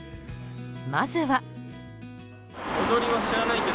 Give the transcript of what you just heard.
まずは。